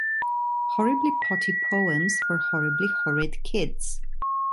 Horribly Potty Poems for Horribly Horrid Kids.